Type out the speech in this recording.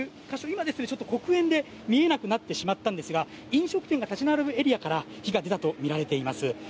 今、黒煙で見えなくなってしまったんですが飲食店が立ち並ぶエリアから火が出たとみられています。